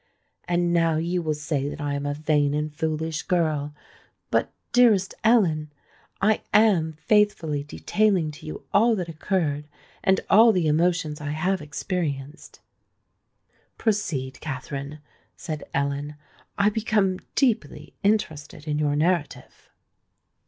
And now you will say that I am a vain and foolish girl;—but, dearest Ellen, I an faithfully detailing to you all that occurred, and all the emotions I have experienced." "Proceed, Katherine," said Ellen. "I become deeply interested in your narrative."